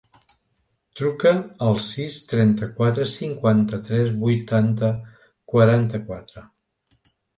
Truca al sis, trenta-quatre, cinquanta-tres, vuitanta, quaranta-quatre.